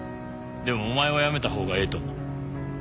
でもお前は辞めた方がええと思う